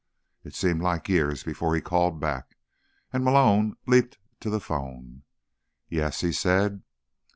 It seemed like years before he called back, and Malone leaped to the phone. "Yes?" he said.